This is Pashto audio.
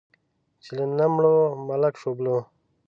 چې له نه مړو، ملک شوبلو.